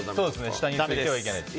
下についてはいけないです。